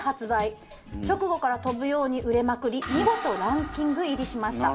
直後から飛ぶように売れまくり見事ランキング入りしました。